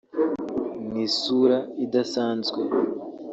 Mu isura idasanzwe